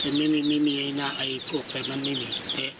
แต่ไม่มีไม่มีไอหน้าไอพวกมันไม่มี